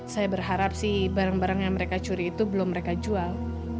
saya berharap sih barang barang yang mereka curi itu belum mereka jual